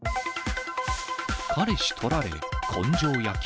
彼氏取られ、根性焼き。